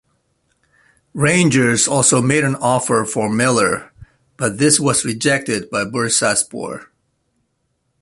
Rangers also made an offer for Miller, but this was rejected by Bursaspor.